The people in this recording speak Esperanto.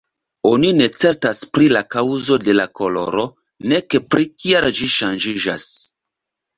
Oni ne certas pri la kaŭzo de la koloro nek pri kial ĝi ŝanĝiĝas.